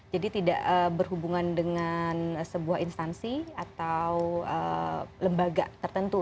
jadi tidak berhubungan dengan sebuah instansi atau lembaga tertentu